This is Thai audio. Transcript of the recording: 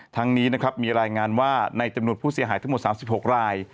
ทั้งนี้นะครับมีรายงานว่าในจำนวนผู้เสียหายทั้งหมด๓๖ราย